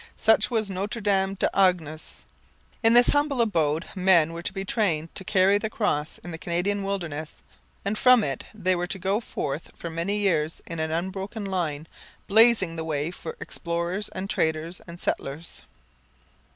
Such was Notre Dame des Anges. In this humble abode men were to be trained to carry the Cross in the Canadian wilderness, and from it they were to go forth for many years in an unbroken line, blazing the way for explorers and traders and settlers.